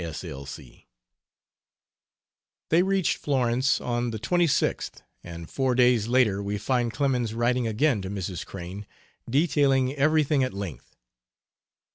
S. L. C. They reached Florence on the 26th, and four days later we find Clemens writing again to Mrs. Crane, detailing everything at length.